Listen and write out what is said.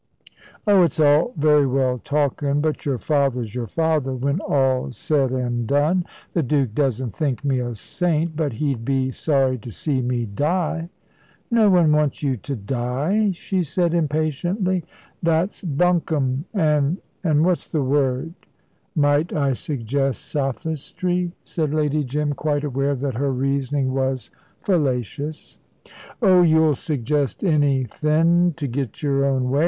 "Oh, it's all very well talkin'. But your father's your father, when all's said an' done. The Duke doesn't think me a saint, but he'd be sorry to see me die." "No one wants you to die," she said impatiently. "That's bunkum, an' an' what's the word?" "Might I suggest 'sophistry'?" said Lady Jim, quite aware that her reasoning was fallacious. "Oh, you'll suggest anythin' to get your own way.